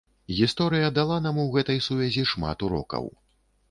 Гісторыя дала нам у гэтай сувязі шмат урокаў.